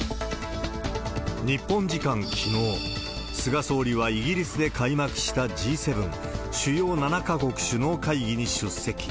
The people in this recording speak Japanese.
日本時間きのう、菅総理はイギリスで開幕したＧ７・主要７か国首脳会議に出席。